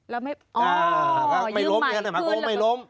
แล้วไม่อ๋อยืมใหม่คืนแล้วไม่ล้มไม่ล้ม